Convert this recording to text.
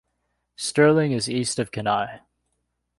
Sterling is east of Kenai.